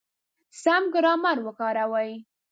سم ګرامر وکاروئ!.